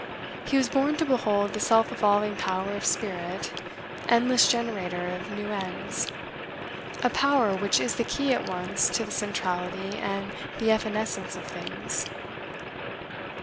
He was born to behold the self evolving power of spirit, endless generator of new ends; a power which is the key at once to the centrality and the evanescence of things.